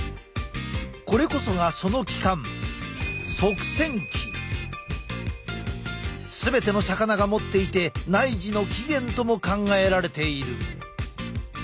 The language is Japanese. これこそがその器官全ての魚が持っていて内耳の起源とも考えられている。